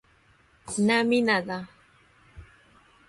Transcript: نه مینه ده،